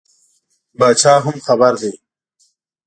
پاچا هم خبر دی.